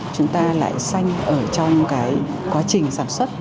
chúng ta lại xanh ở trong cái quá trình sản xuất